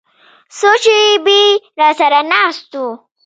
څو شېبې راسره ناست و.